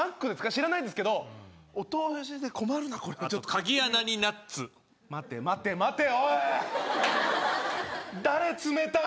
知らないですけどお通しで困るなこれはちょっとあと鍵穴にナッツ待て待て待ておい誰詰めたん？